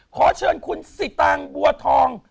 ขอเชิญคุณสิตางบัวทอง